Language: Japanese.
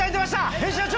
編集長。